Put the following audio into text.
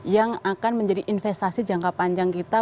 yang akan menjadi investasi jangka panjang kita